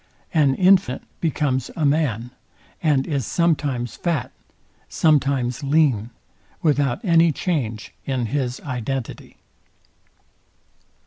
An infant becomes a man , and is sometimes fat, sometimes lean, without any change in his identity.